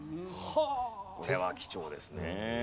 これは貴重ですね。